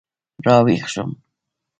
را ویښ شوم.